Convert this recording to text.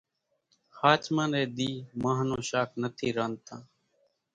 ۿاچمان ني ۮي مانۿ نون شاک نٿي رانڌتان